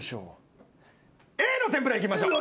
Ａの天ぷらいきましょう。